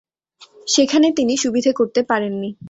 সেখানে তিনি সুবিধে করতে পারেননি।